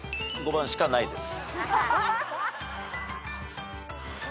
５番しかないです。